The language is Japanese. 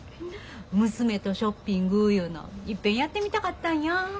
娘とショッピングいうのいっぺんやってみたかったんや。